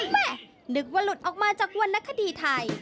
แม่นึกว่าหลุดออกมาจากวรรณคดีไทย